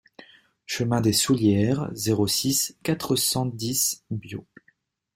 Chemin des Soullieres, zéro six, quatre cent dix Biot